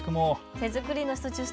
手作りのしそジュース